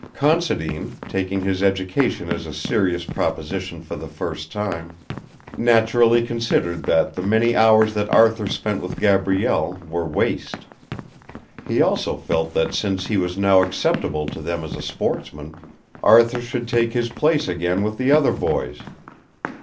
Considine, taking his education as a serious proposition for the first time, naturally considered that the many hours that Arthur spent with Gabrielle were waste. He also felt that since he was now acceptable to them as a sportsman, Arthur should take his place again with the other boys.